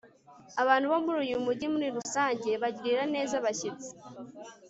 abantu bo muri uyu mujyi, muri rusange, bagirira neza abashyitsi